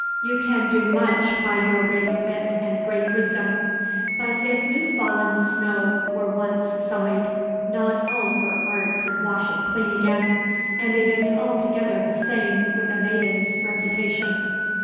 You can do much by your ready wit and great wisdom; but if new fallen snow were once sullied, not all your art could wash it clean again; and it is altogether the same with a maiden's reputation."